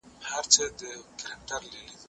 زه پرون مېوې وچوم وم،